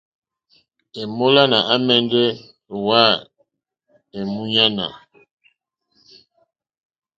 Èmólánà àmɛ́ndɛ́ ō ŋwá èmúɲánà.